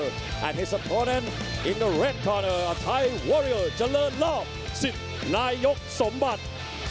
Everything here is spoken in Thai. และในที่สุดท้ายทายรัสเชียร์รัสเชียร์เจริญลาภสิทธิ์นายกสมบัติ